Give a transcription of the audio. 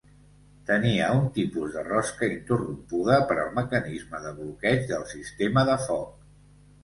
Tenia un tipus de rosca interrompuda, per al mecanisme de bloqueig del sistema de foc.